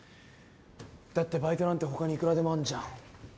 だってバイトなんて他にいくらでもあんじゃん。